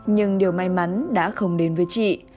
nhưng điều may mắn đã không đến với chị